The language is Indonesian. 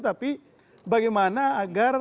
tapi bagaimana agar